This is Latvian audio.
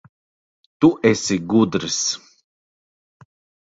Tu esi gudrs.